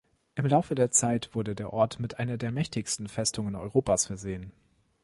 Im Laufe der Zeit wurde der Ort mit einer der mächtigsten Festungen Europas versehen.